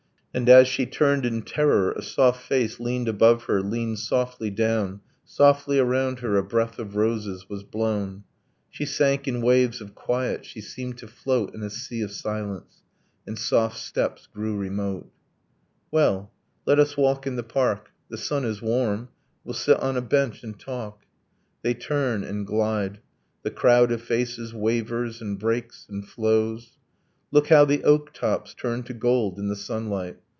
. and as she turned in terror A soft face leaned above her, leaned softly down, Softly around her a breath of roses was blown, She sank in waves of quiet, she seemed to float In a sea of silence ... and soft steps grew remote .. 'Well, let us walk in the park ... The sun is warm, We'll sit on a bench and talk ...' They turn and glide, The crowd of faces wavers and breaks and flows. 'Look how the oak tops turn to gold in the sunlight!